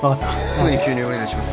すぐに吸入をお願いします。